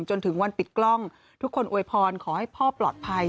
จนถึงวันปิดกล้องทุกคนอวยพรขอให้พ่อปลอดภัย